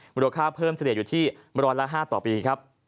มูลค่าเพิ่มเฉลี่ยอยู่ที่ร้อยละ๕ต่อปีครับ